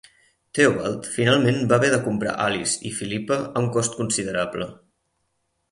Theobald finalment va haver de comprar Alice i Philippa a un cost considerable.